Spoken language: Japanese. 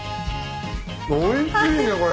おいしいねこれ。